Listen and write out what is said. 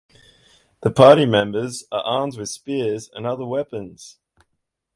The party members are armed with spears and other weapons.